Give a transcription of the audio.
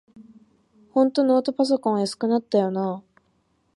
ほんとノートパソコンは安くなったよなあ